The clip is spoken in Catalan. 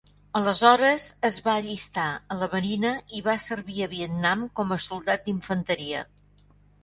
Aleshores es va allistar a la marina i va servir a Vietnam com a soldat d'infanteria.